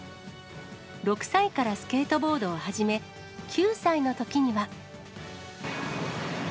６歳からスケートボードを始め、９歳のときには。